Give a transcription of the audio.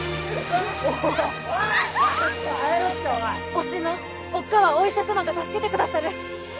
おし乃おっかあはお医者さまが助けてくださる。